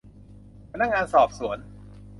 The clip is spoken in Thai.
พนักงานสอบสวน